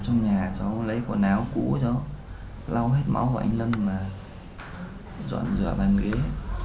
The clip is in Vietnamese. trong nhà cháu lấy quần áo cũ cháu lau hết máu của anh lâm và dọn rửa bàn ghế